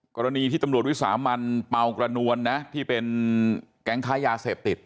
กรณีที่ตำรวจวิสามันเปล่ากระนวลนะที่เป็นแก๊งค้ายาเสพติด